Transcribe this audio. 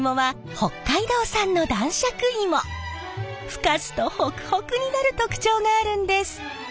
ふかすとホクホクになる特徴があるんです。